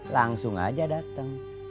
langsung aja dateng